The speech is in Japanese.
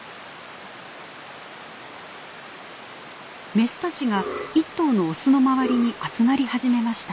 メスたちが１頭のオスの周りに集まり始めました。